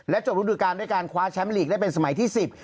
จบรูดูการด้วยการคว้าแชมป์ลีกได้เป็นสมัยที่๑๐